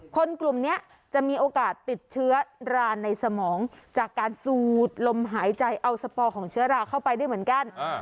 คนกลุ่มนี้จะมีโอกาสติดเชื้อราในสมองจากการสูดลมหายใจเอาสปอร์ของเชื้อราเข้าไปด้วยเหมือนกัน